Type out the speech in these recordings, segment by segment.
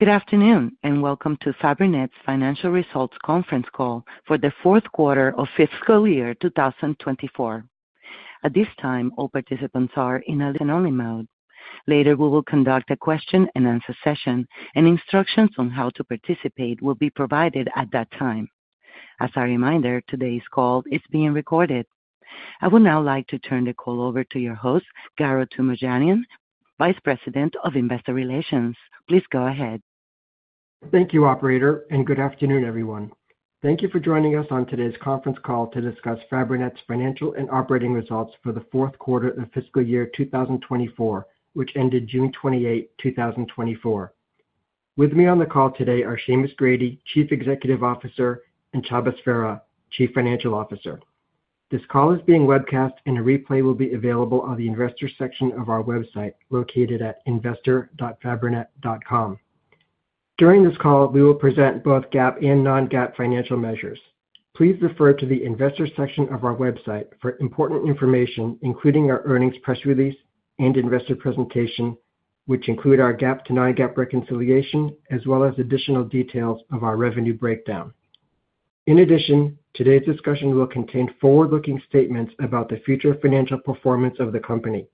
Good afternoon, and welcome to Fabrinet's Financial Results Conference Call for the Q4 of Fiscal Year 2024. At this time, all participants are in a listen-only mode. Later, we will conduct a question-and-answer session, and instructions on how to participate will be provided at that time. As a reminder, today's call is being recorded. I would now like to turn the call over to your host, Garo Toomajanian, Vice President of Investor Relations. Please go ahead. Thank you, operator, and good afternoon, everyone. Thank you for joining us on today's conference call to discuss Fabrinet's Financial and Operating Results for the Q4 of Fiscal Year 2024, which ended 28 June 2024. With me on the call today are Seamus Grady, Chief Executive Officer, and Csaba Sverha, Chief Financial Officer. This call is being webcast and a replay will be available on the investor section of our website, located at investor.fabrinet.com. During this call, we will present both GAAP and non-GAAP financial measures. Please refer to the investor section of our website for important information, including our earnings press release and investor presentation, which include our GAAP to non-GAAP reconciliation, as well as additional details of our revenue breakdown. In addition, today's discussion will contain forward-looking statements about the future financial performance of the company.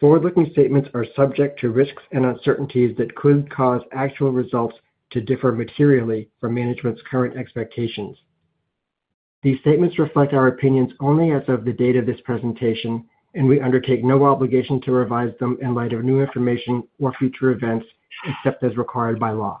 Forward-looking statements are subject to risks and uncertainties that could cause actual results to differ materially from management's current expectations. These statements reflect our opinions only as of the date of this presentation, and we undertake no obligation to revise them in light of new information or future events, except as required by law.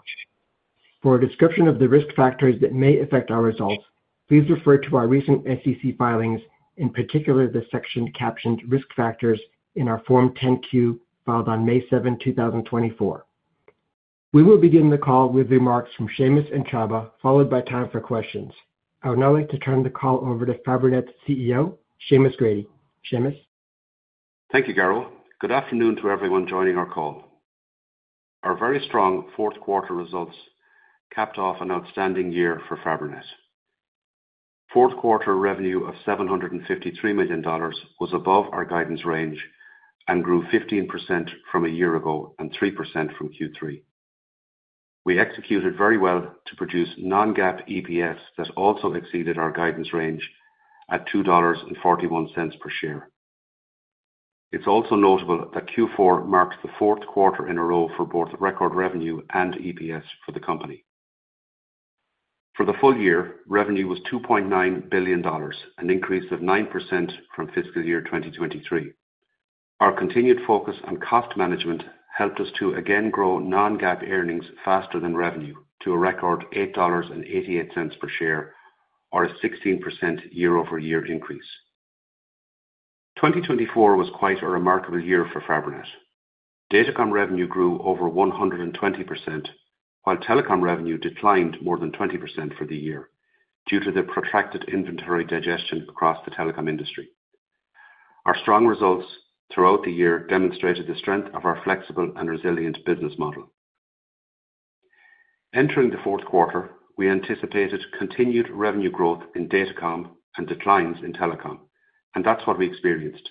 For a description of the risk factors that may affect our results, please refer to our recent SEC filings, in particular, the section captioned Risk Factors in our Form 10-Q, filed on 7 May 2024. We will begin the call with remarks from Seamus and Csaba, followed by time for questions. I would now like to turn the call over to Fabrinet's CEO, Seamus Grady. Seamus? Thank you, Garo. Good afternoon to everyone joining our call. Our very strong fourth quarter results capped off an outstanding year for Fabrinet. Fourth quarter revenue of $753 million was above our guidance range and grew 15% from a year ago and 3% from Q3. We executed very well to produce non-GAAP EPS that also exceeded our guidance range at $2.41 per share. It's also notable that Q4 marks the fourth quarter in a row for both record revenue and EPS for the company. For the full year, revenue was $2.9 billion, an increase of 9% from fiscal year 2023. Our continued focus on cost management helped us to again grow non-GAAP earnings faster than revenue to a record $8.88 per share, or a 16% year-over-year increase. 2024 was quite a remarkable year for Fabrinet. Datacom revenue grew over 120%, while telecom revenue declined more than 20% for the year due to the protracted inventory digestion across the telecom industry. Our strong results throughout the year demonstrated the strength of our flexible and resilient business model. Entering the fourth quarter, we anticipated continued revenue growth in Datacom and declines in telecom, and that's what we experienced.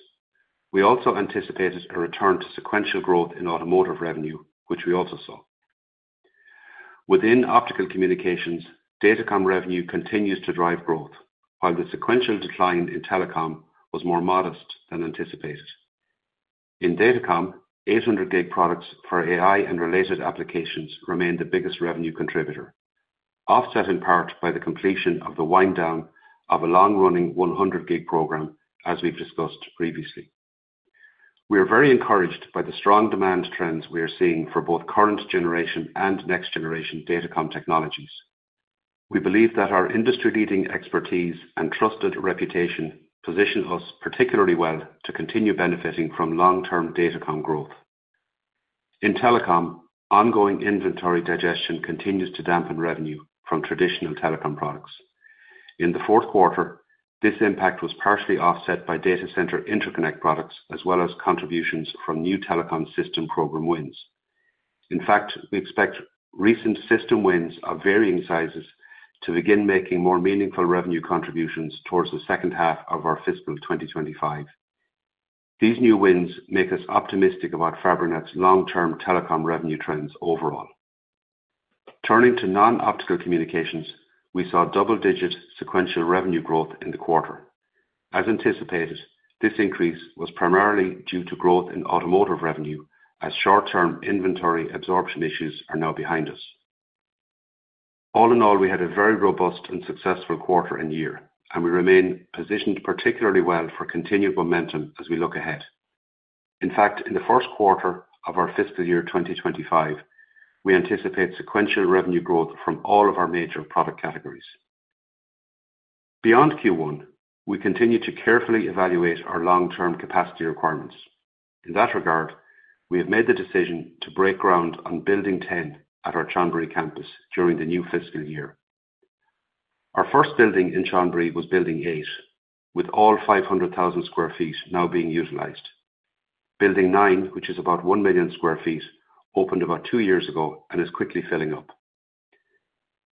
We also anticipated a return to sequential growth in automotive revenue, which we also saw. Within optical communications, Datacom revenue continues to drive growth, while the sequential decline in telecom was more modest than anticipated. In Datacom, 800 gig products for AI and related applications remained the biggest revenue contributor, offset in part by the completion of the wind down of a long-running 100 gig program, as we've discussed previously. We are very encouraged by the strong demand trends we are seeing for both current generation and next generation Datacom technologies. We believe that our industry-leading expertise and trusted reputation positions us particularly well to continue benefiting from long-term Datacom growth. In telecom, ongoing inventory digestion continues to dampen revenue from traditional telecom products. In the fourth quarter, this impact was partially offset by data center interconnect products, as well as contributions from new telecom system program wins. In fact, we expect recent system wins of varying sizes to begin making more meaningful revenue contributions towards the second half of our fiscal 2025. These new wins make us optimistic about Fabrinet's long-term telecom revenue trends overall. Turning to non-optical communications, we saw double-digit sequential revenue growth in the quarter. As anticipated, this increase was primarily due to growth in automotive revenue, as short-term inventory absorption issues are now behind us. All in all, we had a very robust and successful quarter and year, and we remain positioned particularly well for continued momentum as we look ahead. In fact, in the first quarter of our fiscal year 2025, we anticipate sequential revenue growth from all of our major product categories. Beyond Q1, we continue to carefully evaluate our long-term capacity requirements. In that regard, we have made the decision to break ground on Building 10 at our Chonburi campus during the new fiscal year. Our first building in Chonburi was Building 8, with all 500,000 sq ft now being utilized. Building 9, which is about 1 million sq ft, opened about two years ago and is quickly filling up.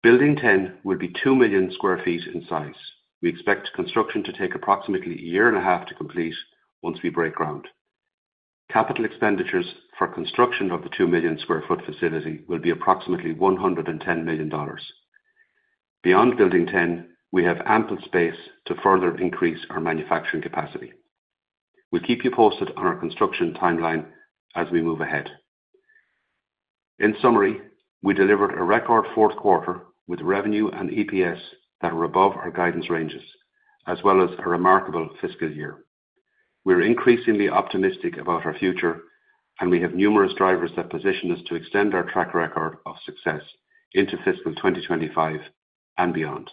Building 10 will be 2 million sq ft in size. We expect construction to take approximately a year and a half to complete once we break ground. Capital expenditures for construction of the 2 million sq ft facility will be approximately $110 million. Beyond Building 10, we have ample space to further increase our manufacturing capacity. We'll keep you posted on our construction timeline as we move ahead. In summary, we delivered a record fourth quarter with revenue and EPS that were above our guidance ranges, as well as a remarkable fiscal year. We're increasingly optimistic about our future, and we have numerous drivers that position us to extend our track record of success into fiscal 2025 and beyond.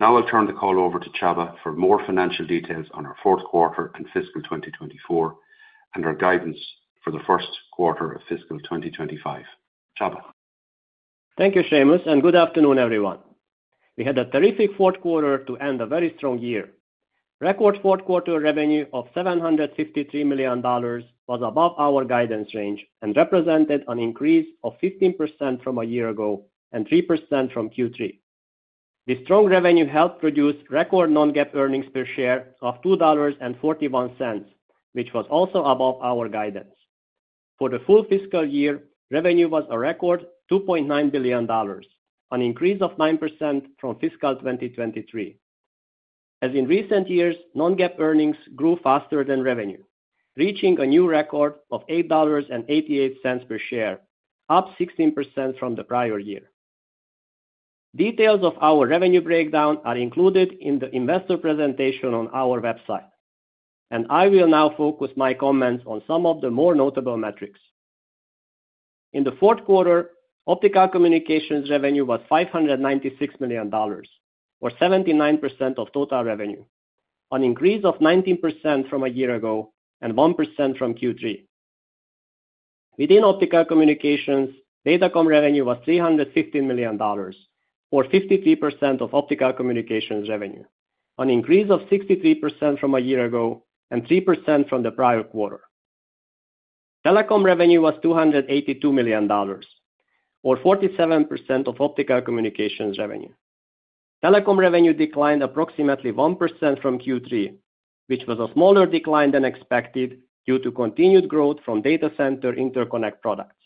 Now I'll turn the call over to Csaba for more financial details on our fourth quarter and fiscal 2024, and our guidance for the first quarter of fiscal 2025. Csaba? Thank you, Seamus, and good afternoon, everyone. We had a terrific fourth quarter to end a very strong year. Record fourth quarter revenue of $753 million was above our guidance range and represented an increase of 15% from a year ago and 3% from Q3. This strong revenue helped produce record non-GAAP earnings per share of $2.41, which was also above our guidance. For the full fiscal year, revenue was a record $2.9 billion, an increase of 9% from fiscal 2023. As in recent years, non-GAAP earnings grew faster than revenue, reaching a new record of $8.88 per share, up 16% from the prior year. Details of our revenue breakdown are included in the investor presentation on our website, and I will now focus my comments on some of the more notable metrics. In the fourth quarter, Optical Communications revenue was $596 million, or 79% of total revenue, an increase of 19% from a year ago and 1% from Q3. Within Optical Communications, Datacom revenue was $315 million, or 53% of Optical Communications revenue, an increase of 63% from a year ago and 3% from the prior quarter. Telecom revenue was $282 million, or 47% of Optical Communications revenue. Telecom revenue declined approximately 1% from Q3, which was a smaller decline than expected due to continued growth from Data Center Interconnect products.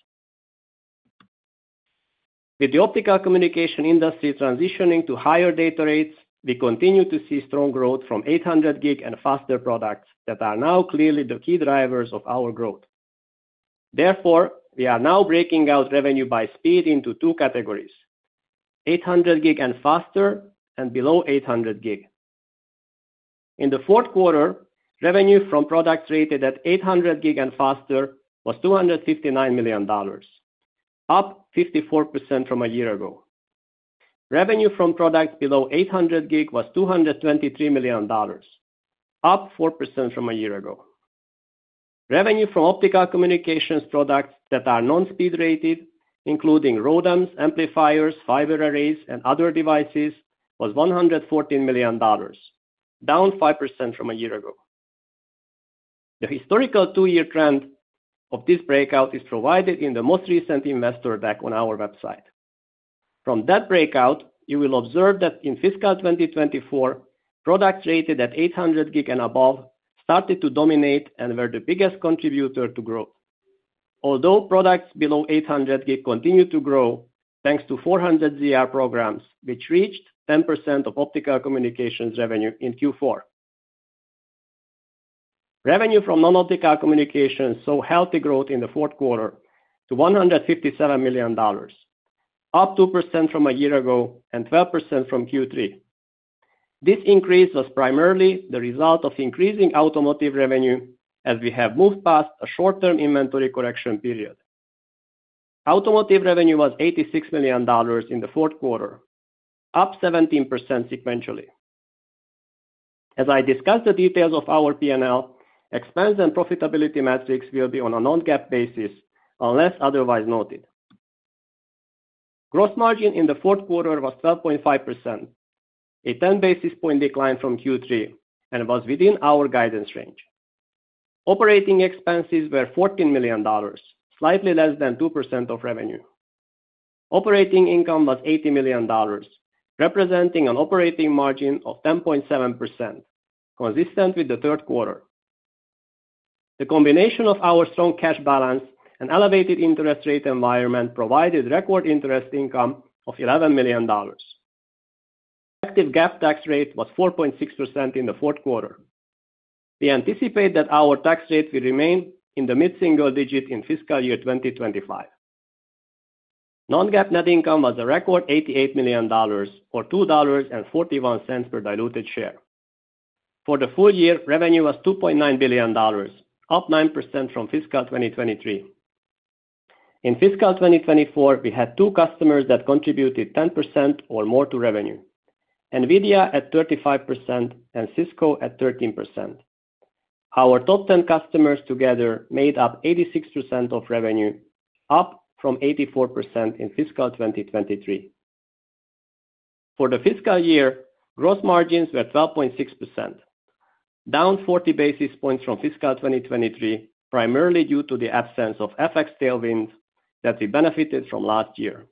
With the optical communication industry transitioning to higher data rates, we continue to see strong growth from 800 gig and faster products that are now clearly the key drivers of our growth. Therefore, we are now breaking out revenue by speed into two categories: 800 gig and faster, and below 800 gig. In the fourth quarter, revenue from products rated at 800 gig and faster was $259 million, up 54% from a year ago. Revenue from products below 800 gig was $223 million, up 4% from a year ago. Revenue from optical communications products that are non-speed rated, including ROADMs, amplifiers, fiber arrays, and other devices, was $114 million, down 5% from a year ago. The historical two-year trend of this breakout is provided in the most recent investor deck on our website. From that breakout, you will observe that in fiscal 2024, products rated at 800 gig and above started to dominate and were the biggest contributor to growth. Although products below 800 gig continued to grow, thanks to 400ZR programs, which reached 10% of optical communications revenue in Q4. Revenue from non-optical communications saw healthy growth in the fourth quarter to $157 million, up 2% from a year ago and 12% from Q3. This increase was primarily the result of increasing automotive revenue as we have moved past a short-term inventory correction period. Automotive revenue was $86 million in the fourth quarter, up 17% sequentially. As I discuss the details of our P&L, expense and profitability metrics will be on a non-GAAP basis, unless otherwise noted. Gross margin in the fourth quarter was 12.5%, a 10 basis points decline from Q3, and was within our guidance range. Operating expenses were $14 million, slightly less than 2% of revenue. Operating income was $80 million, representing an operating margin of 10.7%, consistent with the third quarter. The combination of our strong cash balance and elevated interest rate environment provided record interest income of $11 million. Effective GAAP tax rate was 4.6% in the fourth quarter. We anticipate that our tax rate will remain in the mid-single-digit % in fiscal year 2025. Non-GAAP net income was a record $88 million, or $2.41 per diluted share. For the full year, revenue was $2.9 billion, up 9% from fiscal 2023. In fiscal 2024, we had two customers that contributed 10% or more to revenue. NVIDIA at 35% and Cisco at 13%. Our top 10 customers together made up 86% of revenue, up from 84% in fiscal 2023. For the fiscal year, gross margins were 12.6%, down 40 basis points from fiscal 2023, primarily due to the absence of FX tailwinds that we benefited from last year.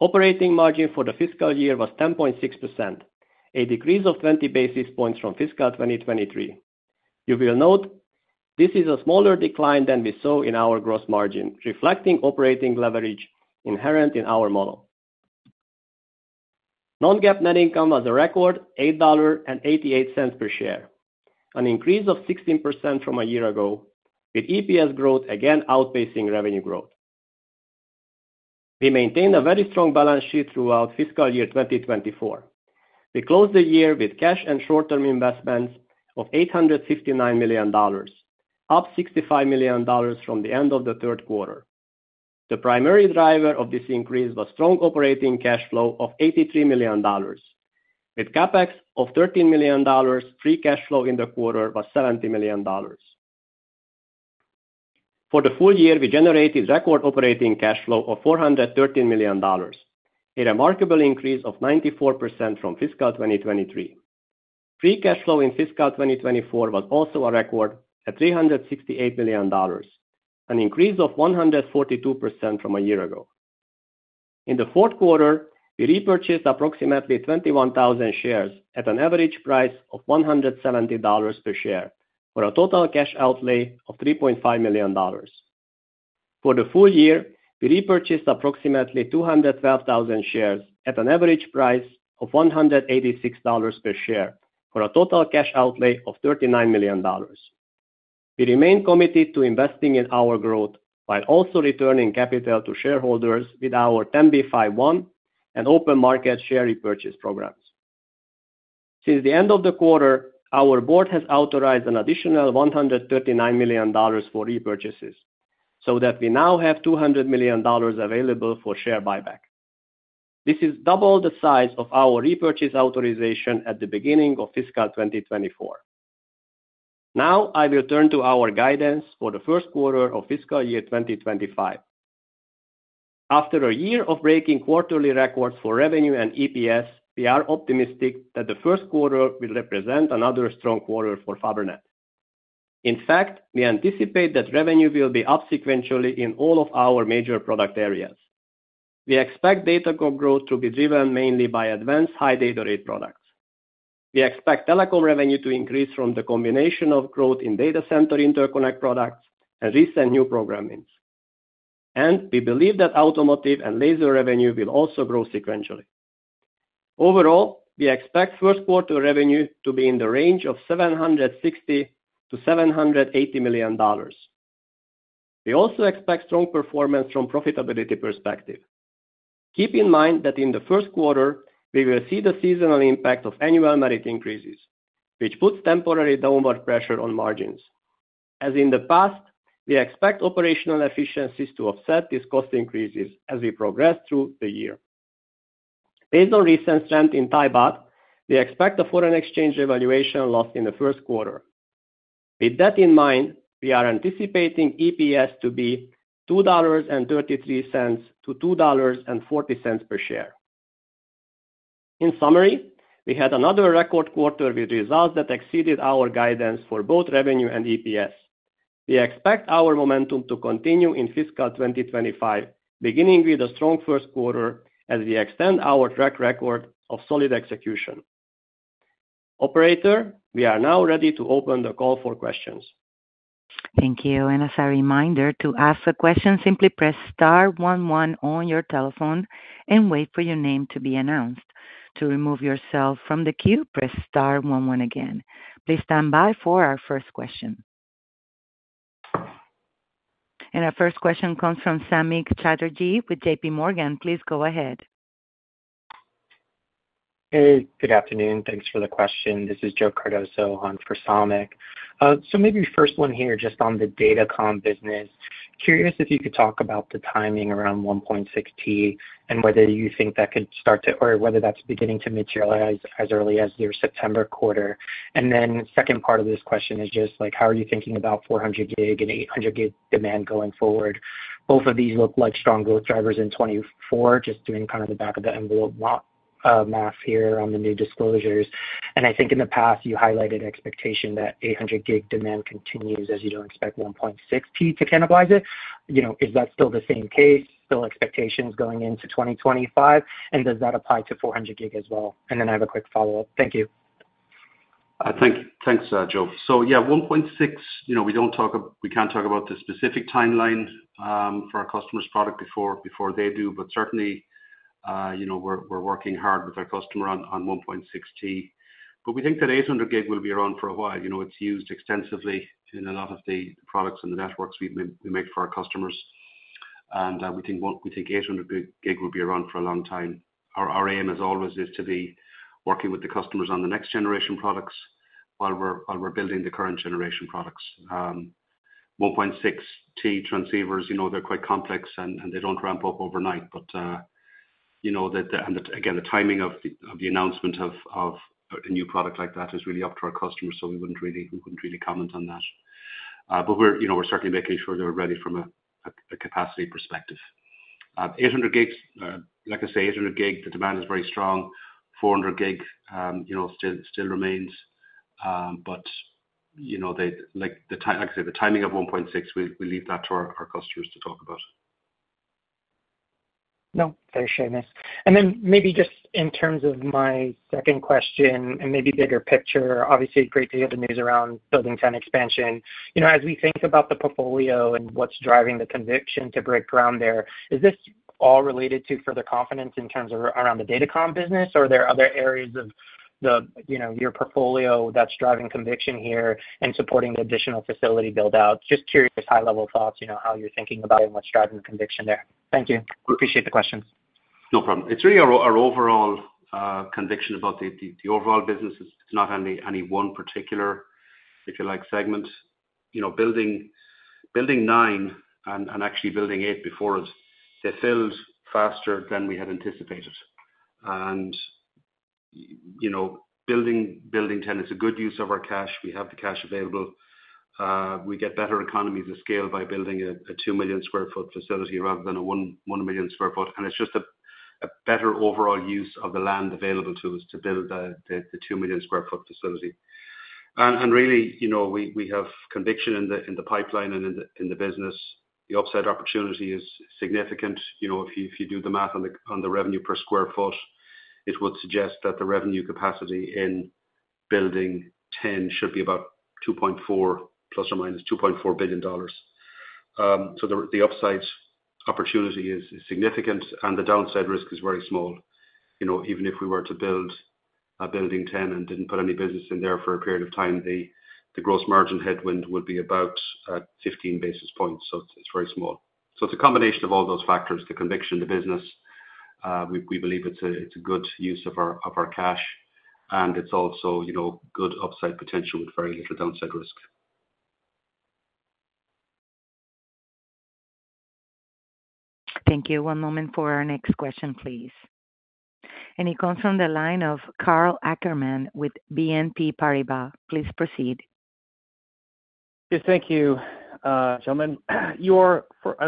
Operating margin for the fiscal year was 10.6%, a decrease of 20 basis points from fiscal 2023. You will note this is a smaller decline than we saw in our gross margin, reflecting operating leverage inherent in our model. Non-GAAP net income was a record $8.88 per share, an increase of 16% from a year ago, with EPS growth again outpacing revenue growth. We maintained a very strong balance sheet throughout fiscal year 2024. We closed the year with cash and short-term investments of $859 million, up $65 million from the end of the third quarter. The primary driver of this increase was strong operating cash flow of $83 million. With CapEx of $13 million, free cash flow in the quarter was $70 million. For the full year, we generated record operating cash flow of $413 million, a remarkable increase of 94% from fiscal 2023. Free cash flow in fiscal 2024 was also a record at $368 million, an increase of 142% from a year ago. In the fourth quarter, we repurchased approximately 21,000 shares at an average price of $170 per share, for a total cash outlay of $3.5 million. For the full year, we repurchased approximately 212,000 shares at an average price of $186 per share, for a total cash outlay of $39 million. We remain committed to investing in our growth while also returning capital to shareholders with our 10b5-1 and open market share repurchase programs. Since the end of the quarter, our board has authorized an additional $139 million for repurchases, so that we now have $200 million available for share buyback. This is double the size of our repurchase authorization at the beginning of fiscal 2024. Now, I will turn to our guidance for the first quarter of fiscal year 2025. After a year of breaking quarterly records for revenue and EPS, we are optimistic that the first quarter will represent another strong quarter for Fabrinet. In fact, we anticipate that revenue will be up sequentially in all of our major product areas. We expect Datacom growth to be driven mainly by advanced high data rate products. We expect Telecom revenue to increase from the combination of growth in data center interconnect products and recent new programming. And we believe that automotive and laser revenue will also grow sequentially. Overall, we expect first quarter revenue to be in the range of $760 million-$780 million. We also expect strong performance from profitability perspective. Keep in mind that in the first quarter, we will see the seasonal impact of annual merit increases, which puts temporary downward pressure on margins. As in the past, we expect operational efficiencies to offset these cost increases as we progress through the year. Based on recent strength in Thai Baht, we expect a foreign exchange revaluation loss in the first quarter. With that in mind, we are anticipating EPS to be $2.33-$2.40 per share. In summary, we had another record quarter with results that exceeded our guidance for both revenue and EPS. We expect our momentum to continue in fiscal 2025, beginning with a strong first quarter as we extend our track record of solid execution. Operator, we are now ready to open the call for questions. Thank you. And as a reminder to ask a question, simply press star one one on your telephone and wait for your name to be announced. To remove yourself from the queue, press star one one again. Please stand by for our first question. And our first question comes from Samik Chatterjee with J.P. Morgan. Please go ahead. Hey, good afternoon. Thanks for the question. This is Joe Cardoso on for Samik. So maybe first one here, just on the datacom business. Curious if you could talk about the timing around 1.6T, and whether you think that could start to or whether that's beginning to materialize as early as your September quarter. And then second part of this question is just like, how are you thinking about 400 gig and 800 gig demand going forward? Both of these look like strong growth drivers in 2024, just doing kind of the back of the envelope, math here on the new disclosures. And I think in the past, you highlighted expectation that 800 gig demand continues as you don't expect 1.6T to cannibalize it. You know, is that still the same case, still expectations going into 2025? And does that apply to 400 gig as well? And then I have a quick follow-up. Thank you. Thanks, Joe. Yeah, 1.6, you know, we don't talk about the specific timelines for our customer's product before they do, but certainly, you know, we're working hard with our customer on 1.6 T. But we think that 800 gig will be around for a while. You know, it's used extensively in a lot of the products and the networks we make for our customers. And we think 800 gig will be around for a long time. Our aim is always to be working with the customers on the next generation products while we're building the current generation products. 1.6 T transceivers, you know, they're quite complex and they don't ramp up overnight. But you know, and again, the timing of the announcement of a new product like that is really up to our customers, so we wouldn't really, we wouldn't really comment on that. But we're, you know, we're certainly making sure that we're ready from a capacity perspective. 800 gigs, like I say, 800 gig, the demand is very strong. 400 gig, you know, still remains, but, you know, like I say, the timing of 1.6, we leave that to our customers to talk about. No, fair, Seamus. And then maybe just in terms of my second question, and maybe bigger picture, obviously, great to hear the news around Building 10 expansion. You know, as we think about the portfolio and what's driving the conviction to break ground there, is this all related to further confidence in terms of around the datacom business? Or are there other areas of the, you know, your portfolio that's driving conviction here and supporting the additional facility build out? Just curious, high-level thoughts, you know, how you're thinking about it and what's driving the conviction there. Thank you. We appreciate the question. No problem. It's really our overall conviction about the overall business. It's not any one particular, if you like, segment. You know, Building 9 and actually Building 8 before it, they filled faster than we had anticipated. You know, Building 10 is a good use of our cash. We have the cash available. We get better economies of scale by building a 2 million sq ft facility rather than a 1 million sq ft. And it's just a better overall use of the land available to us to build the 2 million sq ft facility. And really, you know, we have conviction in the pipeline and in the business. The upside opportunity is significant. You know, if you, if you do the math on the, on the revenue per square foot, it would suggest that the revenue capacity in Building 10 should be about $2.4 billion, plus or minus $2.4 billion. So the, the upside opportunity is, is significant, and the downside risk is very small. You know, even if we were to build a Building 10 and didn't put any business in there for a period of time, the, the gross margin headwind would be about 15 basis points, so it's very small. So it's a combination of all those factors, the conviction, the business, we, we believe it's a, it's a good use of our, of our cash, and it's also, you know, good upside potential with very little downside risk. Thank you. One moment for our next question, please. And it comes from the line of Karl Ackerman with BNP Paribas. Please proceed. Yes, thank you, gentlemen. I've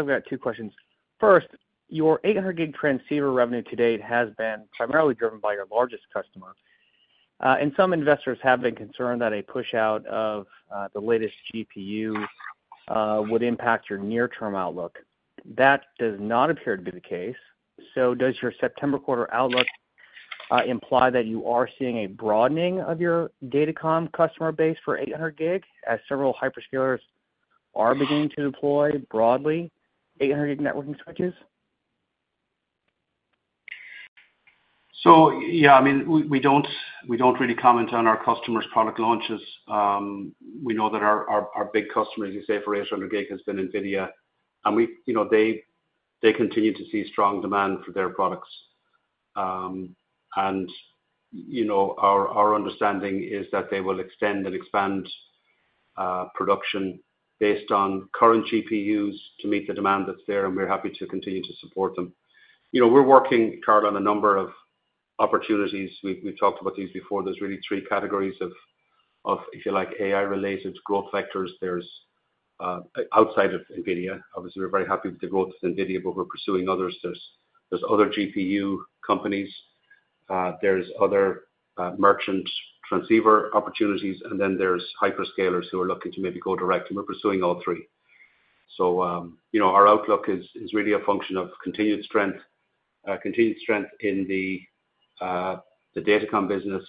got two questions. First, your 800 gig transceiver revenue to date has been primarily driven by your largest customer, and some investors have been concerned that a push out of the latest GPU would impact your near-term outlook. That does not appear to be the case, so does your September quarter outlook imply that you are seeing a broadening of your datacom customer base for 800 gig, as several hyperscalers are beginning to deploy broadly, 800 gig networking switches? Yeah, I mean, we don't really comment on our customers' product launches. We know that our big customer, as you say, for 800 gig, has been NVIDIA. You know, they continue to see strong demand for their products. You know, our understanding is that they will extend and expand production based on current GPUs to meet the demand that's there, and we're happy to continue to support them. You know, we're working, Karl, on a number of opportunities. We've talked about these before. There's really three categories of, if you like, AI-related growth vectors. There's outside of NVIDIA, obviously. We're very happy with the growth of NVIDIA, but we're pursuing others. There are other GPU companies, there are other merchant transceiver opportunities, and then there's hyperscalers who are looking to maybe go direct, and we're pursuing all three. So, you know, our outlook is really a function of continued strength, continued strength in the datacom business.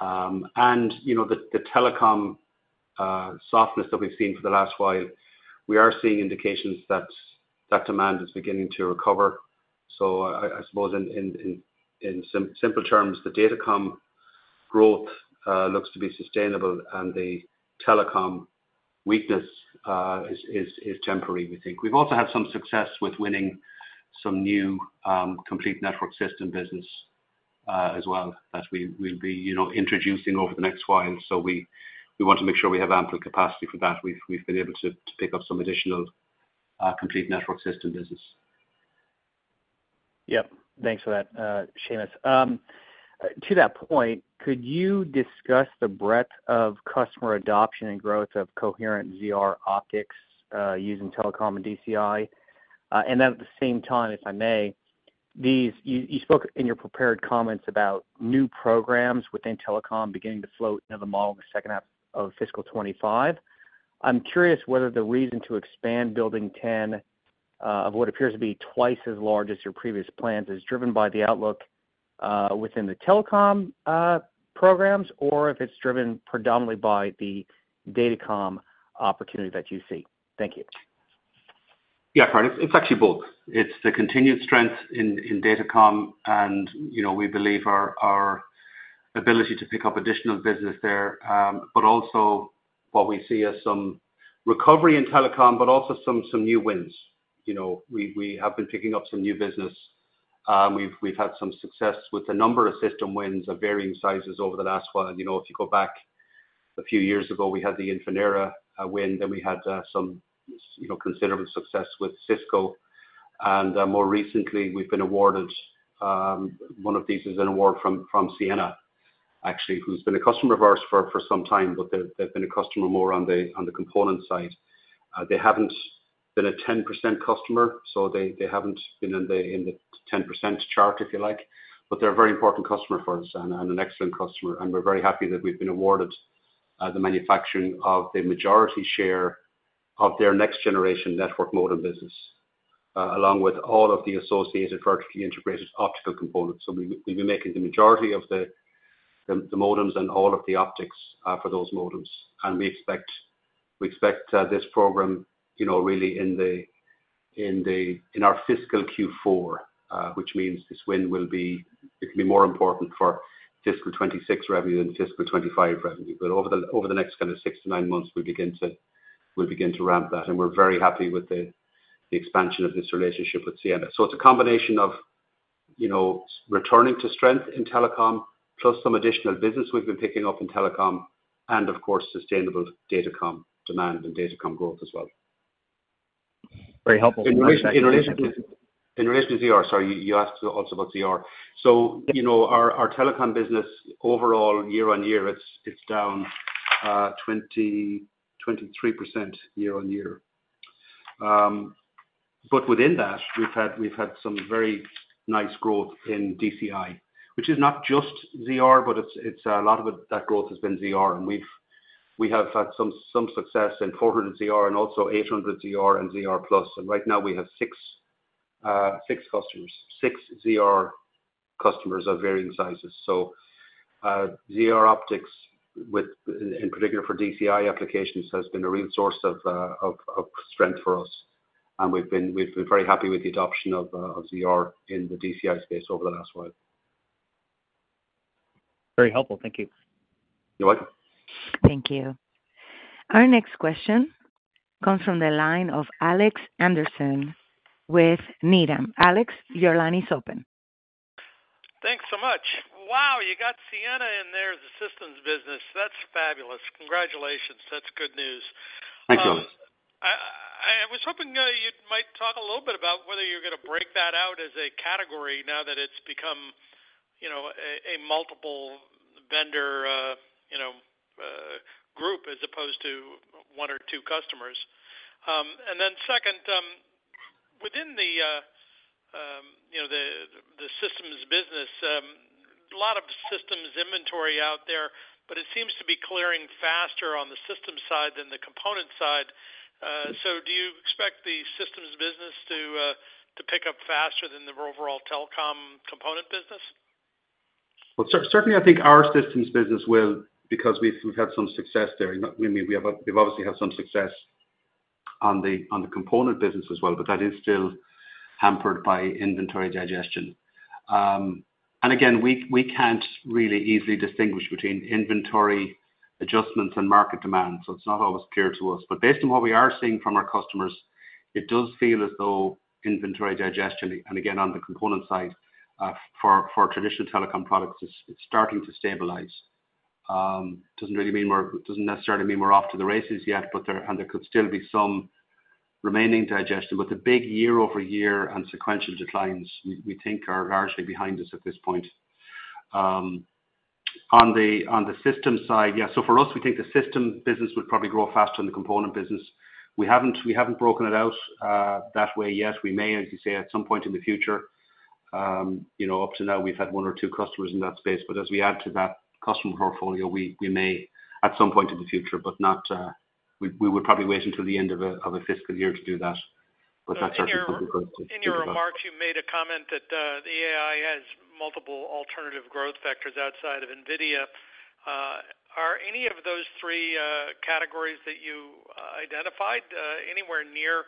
And, you know, the telecom softness that we've seen for the last while, we are seeing indications that that demand is beginning to recover. So I suppose in simple terms, the datacom growth looks to be sustainable, and the telecom weakness is temporary, we think. We've also had some success with winning some new complete network system business, as well, as we'll be, you know, introducing over the next while. So we want to make sure we have ample capacity for that. We've been able to pick up some additional complete network system business. Yep. Thanks for that, Seamus. To that point, could you discuss the breadth of customer adoption and growth of coherent ZR optics, using telecom and DCI? And then at the same time, if I may, you spoke in your prepared comments about new programs within telecom beginning to flow into the model in the second half of fiscal 2025. I'm curious whether the reason to expand Building 10, of what appears to be twice as large as your previous plans, is driven by the outlook, within the telecom, programs, or if it's driven predominantly by the datacom opportunity that you see. Thank you. Yeah, Karl, it's actually both. It's the continued strength in datacom and, you know, we believe our ability to pick up additional business there, but also what we see as some recovery in telecom, but also some new wins. You know, we have been picking up some new business. We've had some success with a number of system wins of varying sizes over the last one. And, you know, if you go back a few years ago, we had the Infinera win, then we had some, you know, considerable success with Cisco. And, more recently, we've been awarded one of these is an award from Ciena. Actually, who's been a customer of ours for some time, but they've been a customer more on the component side. They haven't been a 10% customer, so they haven't been in the 10% chart, if you like, but they're a very important customer for us and an excellent customer. And we're very happy that we've been awarded the manufacturing of the majority share of their next generation network modem business, along with all of the associated vertically integrated optical components. So we'll be making the majority of the modems and all of the optics for those modems. And we expect this program, you know, really in our fiscal Q4, which means this win will be, it can be more important for fiscal 2026 revenue than fiscal 2025 revenue. But over the next kind of six to nine months, we'll begin to ramp that, and we're very happy with the expansion of this relationship with Ciena. So it's a combination of, you know, returning to strength in telecom, plus some additional business we've been picking up in telecom, and of course, sustainable datacom demand and datacom growth as well. Very helpful. In relation to ZR, sorry, you asked also about ZR. So, you know, our telecom business overall, year on year, it's down 23% year on year. But within that, we've had some very nice growth in DCI, which is not just ZR, but it's a lot of it, that growth has been ZR. And we have had some success in 400ZR and also 800ZR and ZR+. And right now we have six ZR customers of varying sizes. So, ZR optics with, in particular for DCI applications, has been a real source of strength for us, and we've been very happy with the adoption of ZR in the DCI space over the last while. Very helpful. Thank you. You're welcome. Thank you. Our next question comes from the line of Alex Henderson with Needham & Company. Alex, your line is open. Thanks so much. Wow, you got Ciena in there, the systems business. That's fabulous. Congratulations. That's good news. Thanks, Alex. I was hoping you might talk a little bit about whether you're gonna break that out as a category now that it's become, you know, a multiple vendor, you know, group, as opposed to one or two customers. And then second, within the, you know, the systems business, a lot of systems inventory out there, but it seems to be clearing faster on the systems side than the component side. So do you expect the systems business to pick up faster than the overall telecom component business? Certainly I think our systems business will, because we've had some success there. I mean, we have, we've obviously had some success on the component business as well, but that is still hampered by inventory digestion. And again, we can't really easily distinguish between inventory adjustments and market demand, so it's not always clear to us. But based on what we are seeing from our customers, it does feel as though inventory digestion, and again, on the component side, for traditional telecom products, it's starting to stabilize. Doesn't really mean we're off to the races yet, doesn't necessarily mean we're off to the races yet, but there could still be some remaining digestion. But the big year-over-year and sequential declines, we think are largely behind us at this point. On the systems side, yeah, so for us, we think the system business would probably grow faster than the component business. We haven't broken it out that way yet. We may, as you say, at some point in the future, you know, up to now, we've had one or two customers in that space, but as we add to that customer portfolio, we may at some point in the future, but not, we would probably wait until the end of a fiscal year to do that. But that's our plan to do that. In your remarks, you made a comment that the AI has multiple alternative growth vectors outside of NVIDIA. Are any of those three categories that you identified anywhere near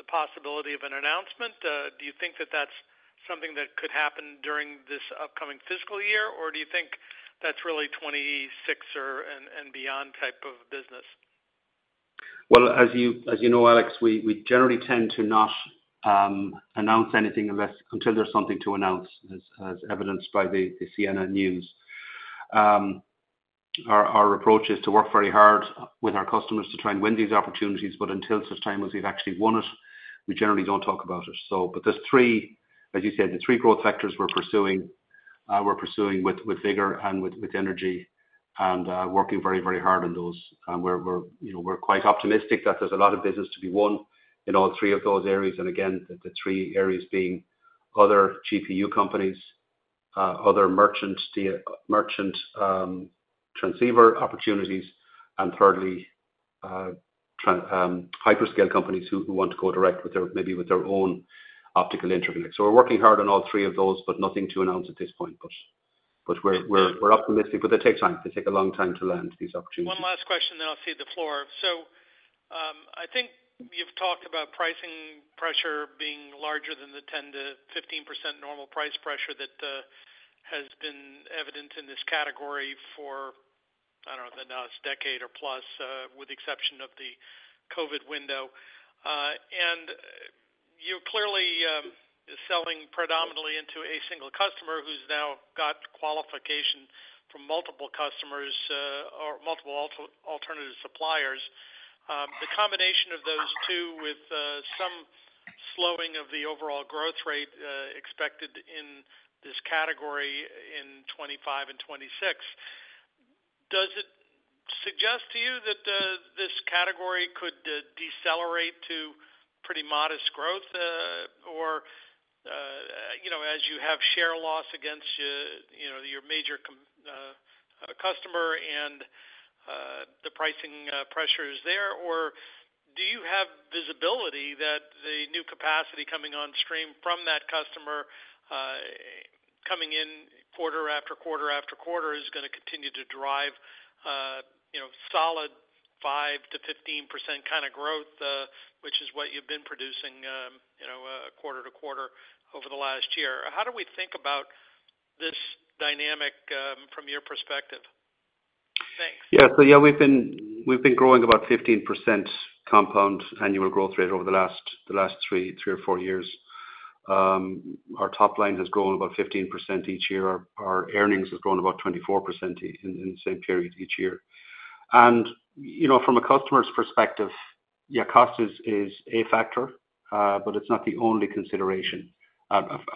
the possibility of an announcement? Do you think that that's something that could happen during this upcoming fiscal year, or do you think that's really 2026 or and beyond type of business? As you know, Alex, we generally tend to not announce anything unless until there's something to announce, as evidenced by the Ciena news. Our approach is to work very hard with our customers to try and win these opportunities, but until such time as we've actually won it, we generally don't talk about it. But there's three, as you said, the three growth vectors we're pursuing. We're pursuing with vigor and with energy and working very, very hard on those. And we're, you know, we're quite optimistic that there's a lot of business to be won in all three of those areas. And again, the three areas being other GPU companies, other merchant transceiver opportunities, and thirdly, hyperscalers who want to go direct with their, maybe with their own optical interconnect. So we're working hard on all three of those, but nothing to announce at this point, but we're optimistic, but they take time. They take a long time to land, these opportunities. One last question, then I'll cede the floor. So, I think you've talked about pricing pressure being larger than the 10%-15% normal price pressure that has been evident in this category for, I don't know, now it's a decade or plus, with the exception of the COVID window. And you're clearly selling predominantly into a single customer who's now got qualification from multiple customers or multiple alternative suppliers. The combination of those two with some slowing of the overall growth rate expected in this category in 2025 and 2026. Does it suggest to you that this category could decelerate to pretty modest growth or you know, as you have share loss against you know, your major customer and the pricing pressures there? Or do you have visibility that the new capacity coming on stream from that customer, coming in quarter after quarter after quarter, is going to continue to drive, you know, solid five to 15% kind of growth, which is what you've been producing, you know, quarter to quarter over the last year? How do we think about this dynamic, from your perspective? Thanks. Yeah. So, yeah, we've been growing about 15% compound annual growth rate over the last three or four years. Our top line has grown about 15% each year. Our earnings have grown about 24% in the same period each year. And, you know, from a customer's perspective, yeah, cost is a factor, but it's not the only consideration.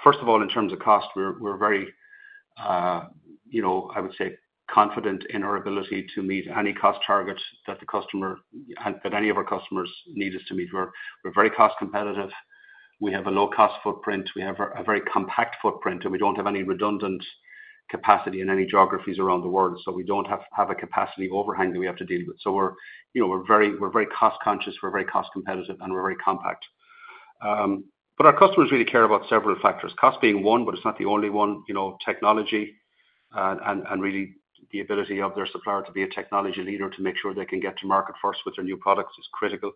First of all, in terms of cost, we're very, you know, I would say, confident in our ability to meet any cost targets that any of our customers need us to meet. We're very cost competitive. We have a low cost footprint. We have a very compact footprint, and we don't have any redundant capacity in any geographies around the world, so we don't have a capacity overhang that we have to deal with. So we're, you know, we're very cost conscious, we're very cost competitive, and we're very compact. But our customers really care about several factors, cost being one, but it's not the only one. You know, technology, and really the ability of their supplier to be a technology leader to make sure they can get to market first with their new products is critical.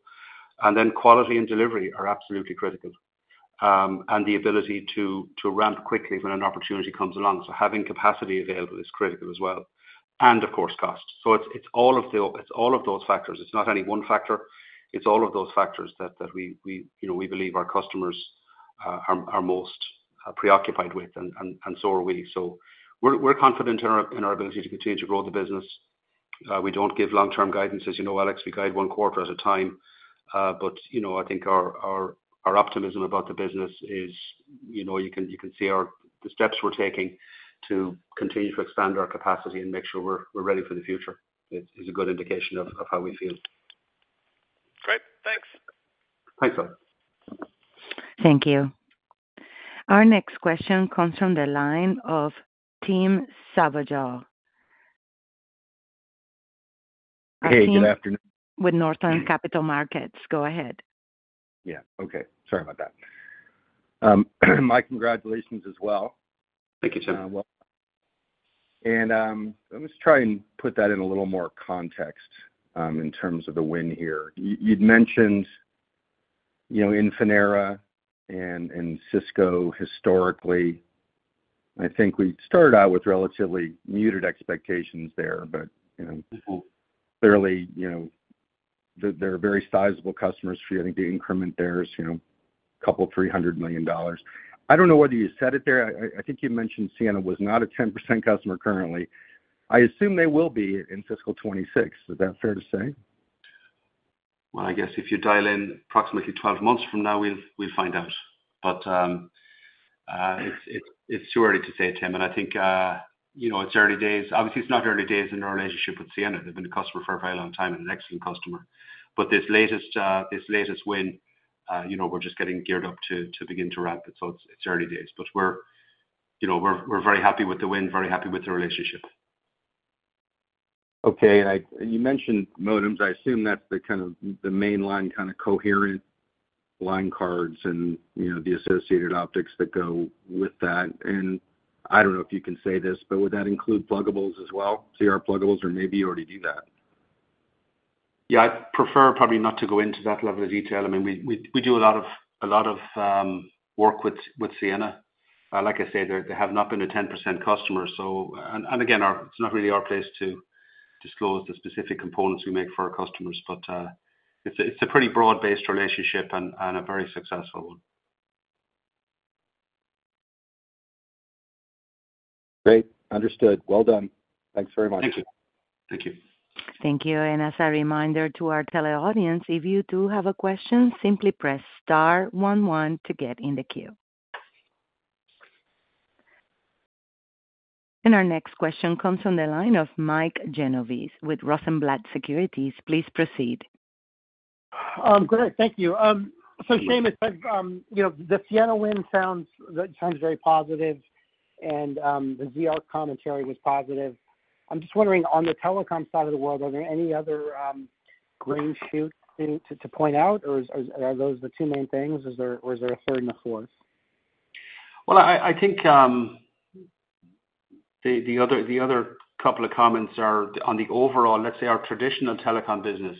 And then quality and delivery are absolutely critical. And the ability to ramp quickly when an opportunity comes along. So having capacity available is critical as well, and of course, cost. So it's all of the... It's all of those factors. It's not any one factor. It's all of those factors that we, you know, we believe our customers are most preoccupied with, and so are we. So we're confident in our ability to continue to grow the business. We don't give long-term guidance, as you know, Alex, we guide one quarter at a time. But, you know, I think our optimism about the business is, you know, you can see our... the steps we're taking to continue to expand our capacity and make sure we're ready for the future. It is a good indication of how we feel. Great. Thanks. Thanks, bud. Thank you. Our next question comes from the line of Tim Savageaux. Hey, good afternoon. With Northland Capital Markets. Go ahead. Yeah, okay. Sorry about that. My congratulations as well. Thank you, Tim. Let me just try and put that in a little more context, in terms of the win here. You'd mentioned, you know, Infinera and Cisco historically. I think we started out with relatively muted expectations there, but, you know, clearly, you know, they're very sizable customers for you. I think the increment there is, you know, $200 million-$300 million. I don't know whether you said it there. I think you mentioned Ciena was not a 10% customer currently. I assume they will be in fiscal 2026. Is that fair to say? I guess if you dial in approximately twelve months from now, we'll find out. But it's too early to say, Tim, and I think you know, it's early days. Obviously, it's not early days in our relationship with Ciena. They've been a customer for a very long time and an excellent customer. But this latest win, you know, we're just getting geared up to begin to ramp it. So it's early days, but we're you know, we're very happy with the win, very happy with the relationship. Okay. And you mentioned modems. I assume that's the kind of the mainline, kind of coherent line cards and, you know, the associated optics that go with that. And I don't know if you can say this, but would that include pluggables as well? CR pluggables, or maybe you already do that. Yeah, I'd prefer probably not to go into that level of detail. I mean, we do a lot of work with Ciena. Like I said, they have not been a 10% customer, so... And again, it's not really our place to disclose the specific components we make for our customers, but it's a pretty broad-based relationship and a very successful one. Great. Understood. Well done. Thanks very much. Thank you. Thank you. And as a reminder to our tele audience, if you do have a question, simply press star one one to get in the queue. And our next question comes from the line of Mike Genovese with Rosenblatt Securities. Please proceed. Great. Thank you. So Seamus, you know, the Ciena win sounds very positive, and the ZR commentary was positive. I'm just wondering, on the telecom side of the world, are there any other green shoots to point out, or are those the two main things? Is there a third and a fourth? I think the other couple of comments are on the overall, let's say, our traditional telecom business.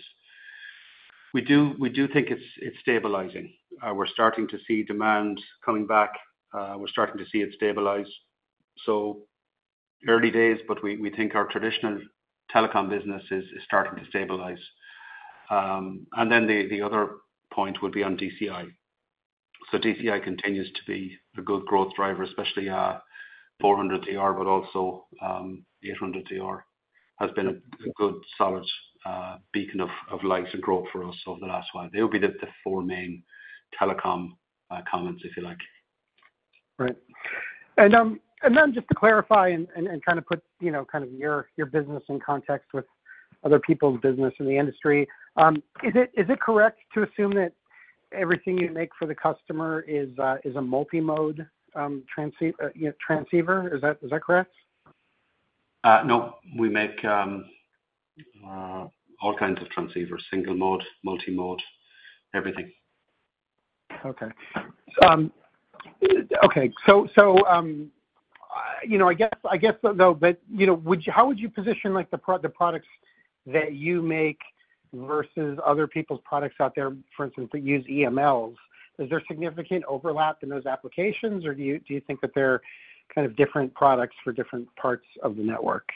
We think it's stabilizing. We're starting to see demand coming back. We're starting to see it stabilize. Early days, but we think our traditional telecom business is starting to stabilize. And then the other point would be on DCI. DCI continues to be a good growth driver, especially 400ZR, but also 800ZR has been a good solid beacon of lights and growth for us over the last while. They will be the four main telecom comments, if you like. Right. And then just to clarify and kind of put, you know, kind of your business in context with other people's business in the industry, is it correct to assume that everything you make for the customer is a multi-mode, you know, transceiver? Is that correct? No. We make all kinds of transceivers, single mode, multi-mode, everything. Okay. So, you know, I guess, though, but, you know, how would you position like the products that you make versus other people's products out there, for instance, that use EMLs? Is there significant overlap in those applications, or do you think that they're kind of different products for different parts of the network?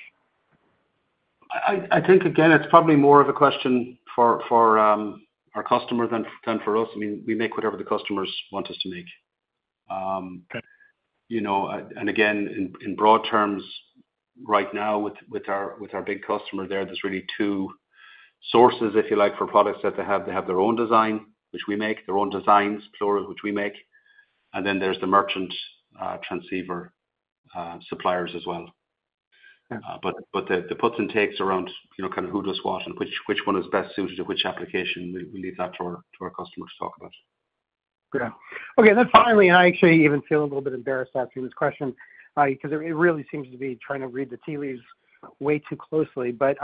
I think, again, it's probably more of a question for our customer than for us. I mean, we make whatever the customers want us to make. You know, and again, in broad terms, right now with our big customer there, there's really two sources, if you like, for products that they have. They have their own design, which we make, their own designs, plural, which we make, and then there's the merchant transceiver suppliers as well. Yeah. But the puts and takes around, you know, kind of who does what and which one is best suited to which application, we leave that to our customers to talk about. Yeah. Okay, then finally, and I actually even feel a little bit embarrassed asking this question, because it really seems to be trying to read the tea leaves way too closely. But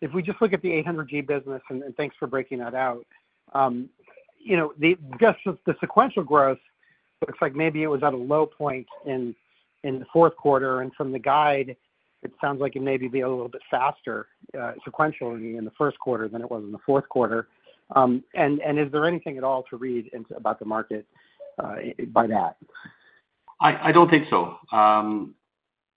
if we just look at the 800G business, and thanks for breaking that out, you know, just the sequential growth looks like maybe it was at a low point in the fourth quarter, and from the guide, it sounds like it may be a little bit faster sequentially in the first quarter than it was in the fourth quarter. And is there anything at all to read into about the market by that? I don't think so.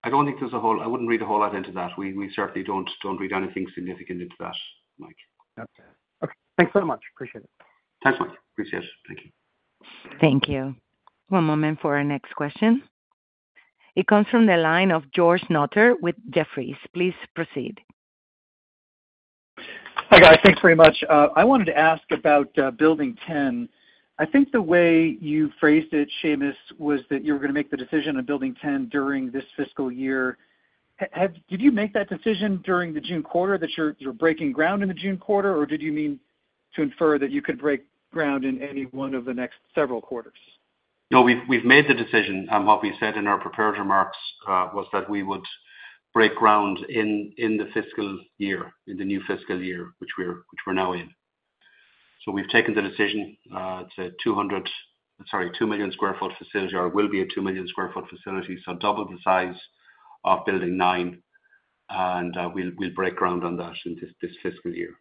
I don't think there's a whole... I wouldn't read a whole lot into that. We certainly don't read anything significant into that, Mike. Okay. Thanks so much. Appreciate it. Thanks, Mike. Appreciate it. Thank you. Thank you. One moment for our next question. It comes from the line of George Notter with Jefferies. Please proceed. Hi, guys. Thanks very much. I wanted to ask about Building 10. I think the way you phrased it, Seamus, was that you were gonna make the decision on Building 10 during this fiscal year. Have you made that decision during the June quarter, that you're breaking ground in the June quarter, or did you mean to infer that you could break ground in any one of the next several quarters? No, we've made the decision, and what we said in our prepared remarks was that we would break ground in the new fiscal year, which we're now in. So we've taken the decision. It's a 200, sorry, 2 million sq ft facility, or will be a 2 million sq ft facility, so double the size of Building 9, and we'll break ground on that in this fiscal year.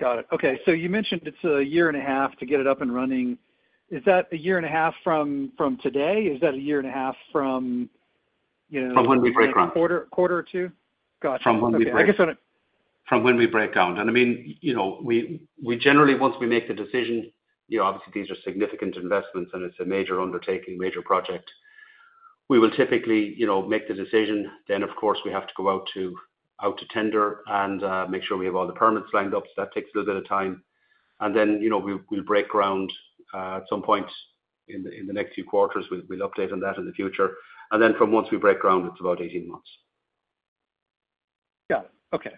Got it. Okay, so you mentioned it's a year and a half to get it up and running. Is that a year and a half from today? Is that a year and a half from, you know- From when we break ground. A quarter, quarter or two? Gotcha. From when we break- I guess what I- From when we break ground, and I mean, you know, we generally, once we make the decision, you know, obviously these are significant investments, and it's a major undertaking, major project, we will typically, you know, make the decision, then, of course, we have to go out to tender and make sure we have all the permits lined up, so that takes a little bit of time, and then, you know, we'll break ground at some point in the next few quarters. We'll update on that in the future, and then from once we break ground, it's about eighteen months. Got it. Okay.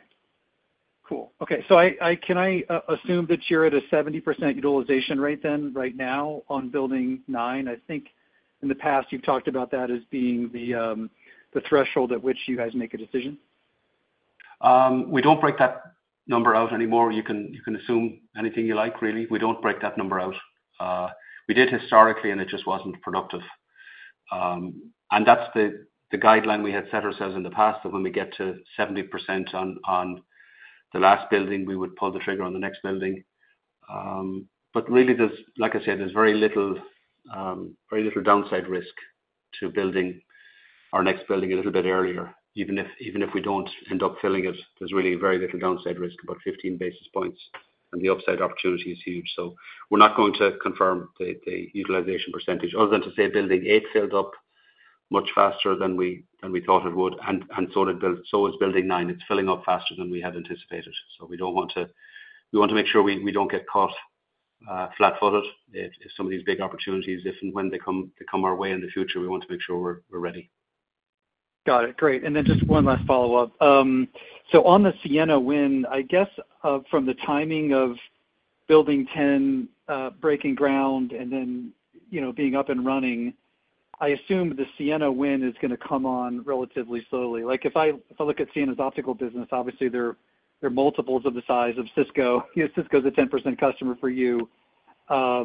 Cool. Okay, so I can assume that you're at a 70% utilization rate then right now on Building 9? I think in the past, you've talked about that as being the threshold at which you guys make a decision. We don't break that number out anymore. You can, you can assume anything you like, really. We don't break that number out. We did historically, and it just wasn't productive. And that's the guideline we had set ourselves in the past, that when we get to 70% on the last building, we would pull the trigger on the next building. But really, there's, like I said, there's very little downside risk to building our next building a little bit earlier, even if, even if we don't end up filling it, there's really very little downside risk, about 15 basis points, and the upside opportunity is huge. So we're not going to confirm the utilization percentage, other than to say Building 8 filled up much faster than we thought it would, and so is Building 9. It's filling up faster than we had anticipated. So we don't want to. We want to make sure we don't get caught flat-footed. If some of these big opportunities, if and when they come our way in the future, we want to make sure we're ready. Got it. Great. And then just one last follow-up. So on the Ciena win, I guess, from the timing of Building 10, breaking ground and then, you know, being up and running, I assume the Ciena win is gonna come on relatively slowly. Like, if I look at Ciena's optical business, obviously they're multiples of the size of Cisco. You know, Cisco is a 10% customer for you. I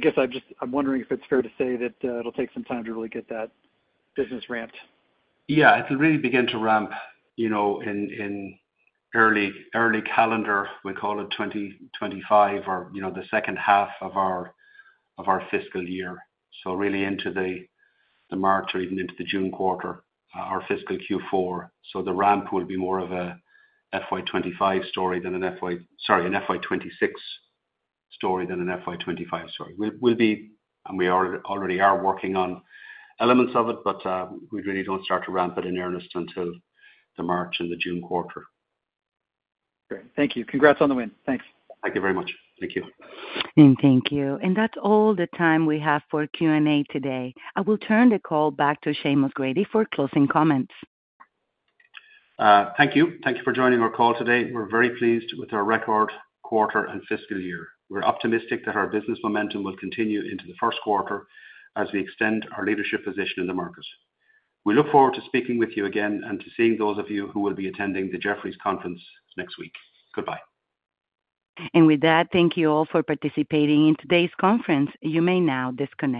guess I'm just wondering if it's fair to say that it'll take some time to really get that business ramped. Yeah, it'll really begin to ramp, you know, in early calendar, we call it 2025, or, you know, the second half of our fiscal year. So really into the March or even into the June quarter, our fiscal Q4. So the ramp will be more of a FY 2025 story than an FY... Sorry, an FY 2026 story than an FY 2025 story. We'll be, and we already are working on elements of it, but we really don't start to ramp it in earnest until the March and the June quarter. Great. Thank you. Congrats on the win. Thanks. Thank you very much. Thank you. Thank you. That's all the time we have for Q&A today. I will turn the call back to Seamus Grady for closing comments. Thank you. Thank you for joining our call today. We're very pleased with our record quarter and fiscal year. We're optimistic that our business momentum will continue into the first quarter as we extend our leadership position in the markets. We look forward to speaking with you again and to seeing those of you who will be attending the Jefferies conference next week. Goodbye. With that, thank you all for participating in today's conference. You may now disconnect.